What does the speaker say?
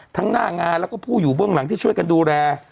หน้างานแล้วก็ผู้อยู่เบื้องหลังที่ช่วยกันดูแล